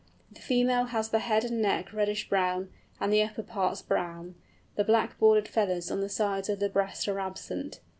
The female has the head and neck reddish brown, and the upper parts brown, the black bordered feathers on the sides of the breast are absent.